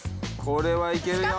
これはいけるよ。